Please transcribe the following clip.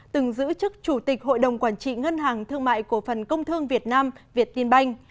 từng giữ chức chủ tịch hội đồng quản trị ngân hàng thương mại cổ phần công thương việt nam việt tiên banh